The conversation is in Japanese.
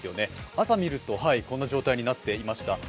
朝見ると、こんな状態になっていました。